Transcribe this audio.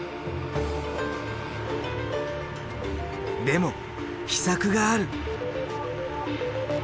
でも秘策がある！